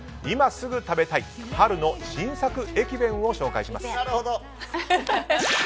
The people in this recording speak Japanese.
今すぐ食べたい春の新作駅弁を紹介します。